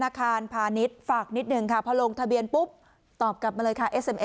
อาคารพาณิชย์ฝากนิดหนึ่งค่ะพอลงทะเบียนปุ๊บตอบกลับมาเลยค่ะ